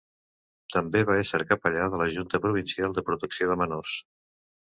També va ésser capellà de la Junta Provincial de Protecció de Menors.